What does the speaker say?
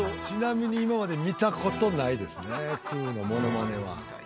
ちなみに今まで見たことないですねくーのモノマネは。